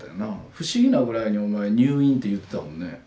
不思議なぐらいにお前「入院」って言ってたもんね。